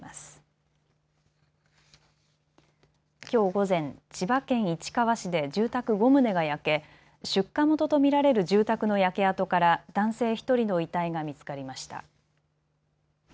きょう午前、千葉県市川市で住宅５棟が焼け出火元と見られる住宅の焼け跡から男性１人の遺体が見つかりました。